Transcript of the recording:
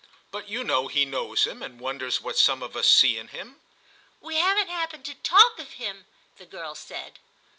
"But you know he knows him and wonders what some of us see in him." "We haven't happened to talk of him," the girl said.